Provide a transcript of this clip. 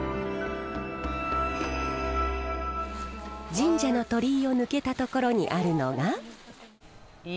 神社の鳥居を抜けたところにあるのが。